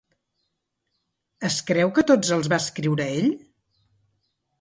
Es creu que tots els va escriure ell?